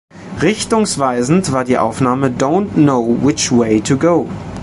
Richtungsweisend war die Aufnahme "Don’t Know Which Way to Go".